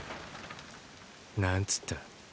何つった？